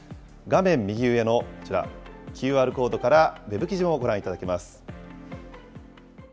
画面右上のこちら、ＱＲコードからウェブ記事もご覧いただけます。